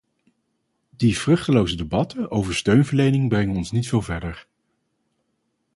Die vruchteloze debatten over steunverlening brengen ons niet veel verder.